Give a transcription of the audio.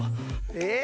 えっ？